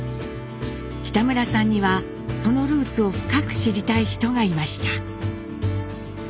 北村さんにはそのルーツを深く知りたい人がいました。